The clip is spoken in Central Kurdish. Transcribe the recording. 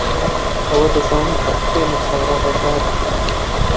ئەوە دەزانم کە حوسێن و سارا ھەژارن.